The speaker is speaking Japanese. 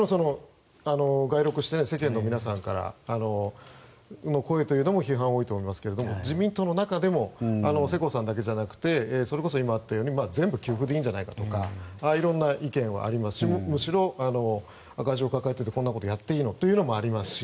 街録して世間の皆さんからの声も批判が多いと思いますけど自民党の中でも世耕さんだけじゃなくてそれこそ全部給付でいいんじゃないかとかいろんな意見はありますからむしろ赤字を抱えててこんなことやっていいのってこともありますし。